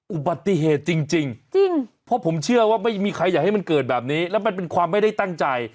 อุบัติเหตุจริงเพราะผมเชื่อว่าไม่มีใครอยากให้มันเกิดแบบนี้แล้วมันเป็นความไม่ได้ตั้งใจ